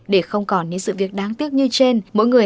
để không còn những sự việc đáng tiếc như trên